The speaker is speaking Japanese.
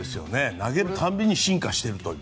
投げる度に進化しているという。